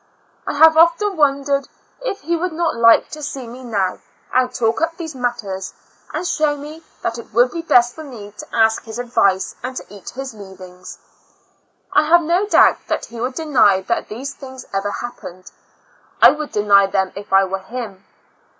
I have often wondered if he would not like to see me now, and talk up these matters, and show me that it would be best for me to ask his advice, and to eat his leavings. I have no doubt but he would deny that these things ever happened. I would deny them if I were him.